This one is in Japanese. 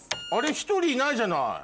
１人いないじゃない。